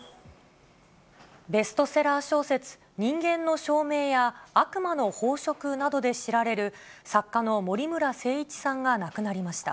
ベストセラー小説、人間の証明や悪魔の飽食などで知られる、作家の森村誠一さんが亡くなりました。